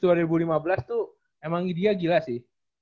tuh emang idea gila sih